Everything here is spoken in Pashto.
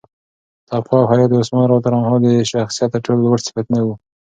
تقوا او حیا د عثمان رض د شخصیت تر ټولو لوړ صفتونه وو.